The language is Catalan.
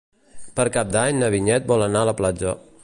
Per Cap d'Any na Vinyet vol anar a la platja.